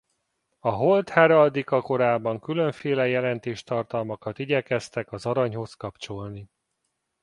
A holt heraldika korában különféle jelentéstartalmakat igyekeztek az aranyhoz kapcsolni.